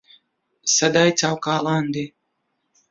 سەدای چاو کاڵان دێ